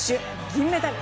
銀メダル。